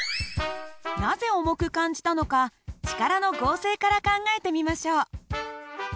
なぜ重く感じたのか力の合成から考えてみましょう。